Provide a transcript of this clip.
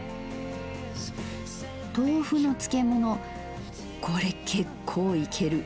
豆腐の漬物これ結構イケる。